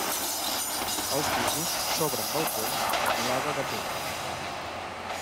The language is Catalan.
Als pisos s'obren balcons amb volada de pedra.